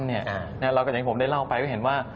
เรากับเจ้าหญิงผมได้เล่าออกไปเพื่อให้เห็นว่า